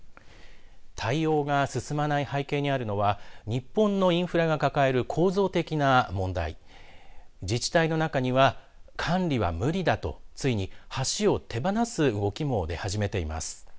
対応が進まない背景にあるのは日本のインフラが抱える構造的な問題自治体の中には、管理は無理だとついに橋を手放す動きも出始めています。